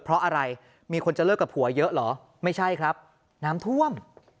เพราะอะไรมีคนจะเลิกกับผัวเยอะเหรอไม่ใช่ครับน้ำท่วม